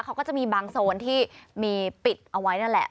เขาก็จะมีบางโซนที่มีปิดเอาไว้นั่นแหละ